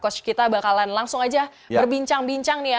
coach kita bakalan langsung aja berbincang bincang nih ya